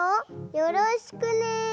よろしくね。